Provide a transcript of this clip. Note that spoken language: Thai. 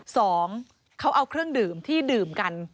สองเขาเอาเครื่องดื่มที่ดื่มกัน